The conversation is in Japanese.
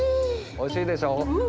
おいしいでしょ？